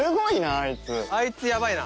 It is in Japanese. あいつやばいな。